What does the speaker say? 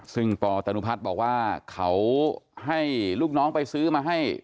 ซึ่งปตนุพัฒน์บอกว่าเขาให้ลูกน้องไปซื้อมาให้